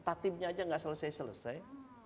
tatibnya aja nggak selesai selesai